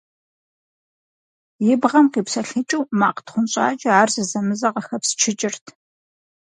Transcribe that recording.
И бгъэм къипсэлъыкӀыу макъ тхъунщӀакӀэ ар зэзэмызэ къыхэпсчыкӀырт.